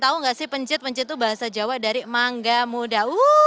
tahu nggak sih pencit pencit itu bahasa jawa dari mangga muda